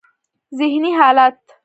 ذهني حالت: